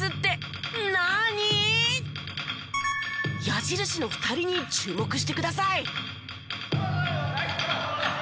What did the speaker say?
矢印の２人に注目してください。